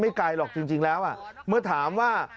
ไกลหรอกจริงแล้วเมื่อถามว่า